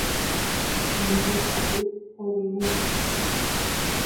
Embosa'y hovyũme.